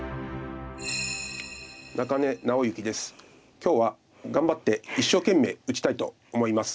今日は頑張って一生懸命打ちたいと思います。